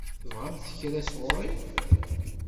Tebɣamt kra sɣur-i?